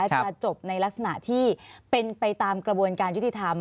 จะจบในลักษณะที่เป็นไปตามกระบวนการยุติธรรม